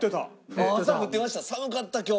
寒かった今日。